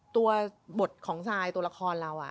ตัวบทของซายตัวละครเรา